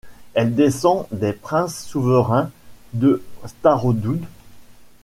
Elle descend des princes souverains de Starodoub.